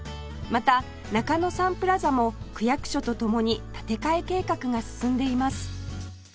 また中野サンプラザも区役所と共に建て替え計画が進んでいます